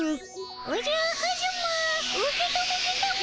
おじゃカズマ受け止めてたも。